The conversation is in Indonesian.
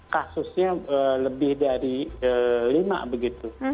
kasusnya lebih dari lima begitu